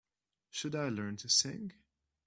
Should I learn to sing?